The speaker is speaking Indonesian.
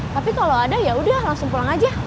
tapi kalo ada yaudah langsung pulang aja